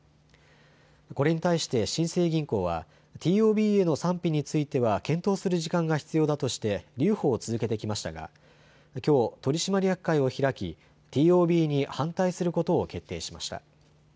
これに対して新生銀行はＴＯＢへの賛否については検討する時間が必要だとして留保を続けてきましたがきょう、取締役会を開きＴＯＢに反対することを決定しました。